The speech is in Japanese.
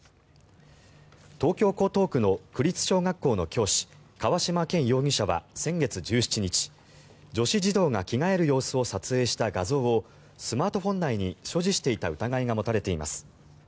東京・江東区の区立小学校の教師川嶌健容疑者は先月１７日女子児童が着替える様子を撮影した画像をスマートフォン内に所持していた疑いが持たれています。